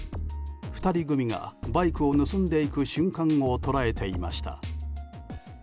２人組がバイクを盗んでいく瞬間を捉えていました。